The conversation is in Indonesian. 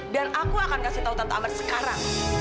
dan aku akan kasih tau tante ambar sekarang